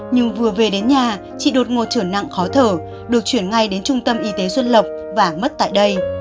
nhưng vừa về đến nhà chị đột ngột trở nặng khó thở được chuyển ngay đến trung tâm y tế xuân lộc và mất tại đây